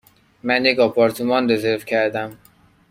من یک آپارتمان رزرو کردم.